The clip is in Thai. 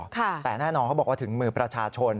แต่แน่นอนเขาบอกว่าถึงมือประชาชน